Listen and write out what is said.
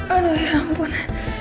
aduh ya ampun